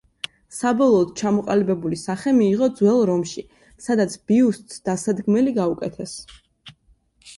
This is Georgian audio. საბოლოოდ ჩამოყალიბებული სახე მიიღო ძველ რომში, სადაც ბიუსტს დასადგმელი გაუკეთეს.